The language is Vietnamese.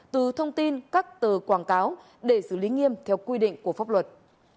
từ thông tin các tờ quảng cáo để xử lý nghiêm theo quy định của pháp luật